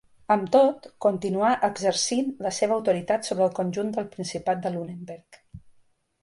Amb tot, continuà exercint la seva autoritat sobre el conjunt del principat de Lüneburg.